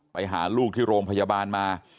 ไปหาลูกที่โรงพยาบาลมา